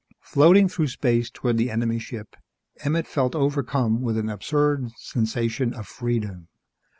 Floating through space toward the enemy ship, Emmett felt overcome with an absurd sensation of freedom.